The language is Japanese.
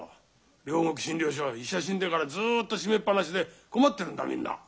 両国診療所は医者死んでからずっと閉めっ放しで困ってるんだみんな。